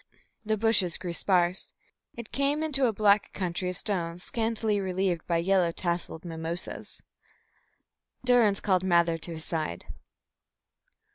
The bushes grew sparse. It came into a black country of stones scantily relieved by yellow tasselled mimosas. Durrance called Mather to his side.